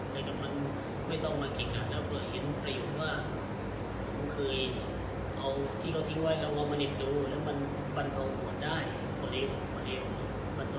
แต่ข้อมูลไม่ต้องมากี่ครั้งถ้าเห็นประโยชน์ว่าออกมาเรียบร้อยแล้วปันต่อพอได้ก็จะมีประโยชน์เก่ง